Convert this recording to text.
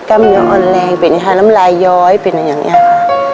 กล้ามเนื้ออ่อนแรงเป็นฮาน้ำลายย้อยเป็นอย่างนี้ค่ะ